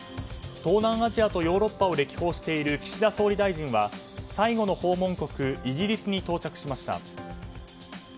東南アジアとヨーロッパを歴訪している岸田総理大臣は最後の訪問国イギリスに到着しました。